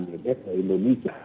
ya ke indonesia